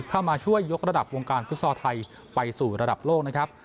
มาช่วยยกระดับวงการฟุตซอลไทยไปสู่ระดับโลกนะครับ